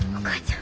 ん？